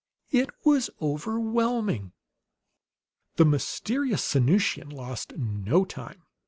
It was overwhelming. The mysterious Sanusian lost no time.